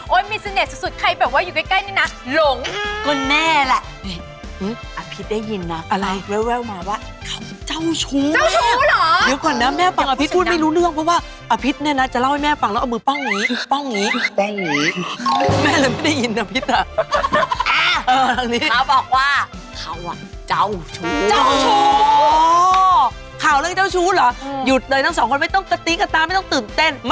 โอ้ยมีเสน่ห์สุดใครแบบว่าอยู่ใกล้นี่นะ